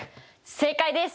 正解です！